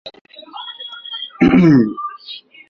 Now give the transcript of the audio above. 周春桃被宋徽宗授为才人之位。